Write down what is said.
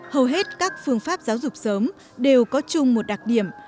hầu hết các phương pháp giáo dục sớm đều có chung một đặc điểm